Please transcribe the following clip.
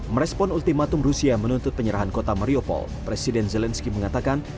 merespon ultimatum rusia menuntut penyerahan kota mariupol presiden zelensky mengatakan